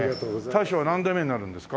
大将は何代目になるんですか？